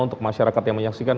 untuk masyarakat yang menyaksikan